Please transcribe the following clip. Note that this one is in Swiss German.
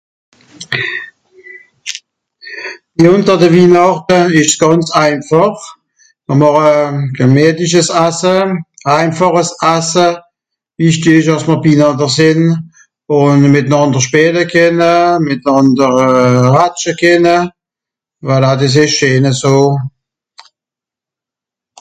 Bi ùns àn de Wihnàchte ìsch's gànz einfàch. Mìr màche gemìetliches Asse, einfàches Asse, wichtisch, àss mr binànder sìnn, ùn mìtnànder spìele kenne, mìtnànder euh... ratsche kenne. Voilà dìs ìsch scheen eso.